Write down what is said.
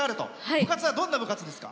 部活は、どんな部活ですか？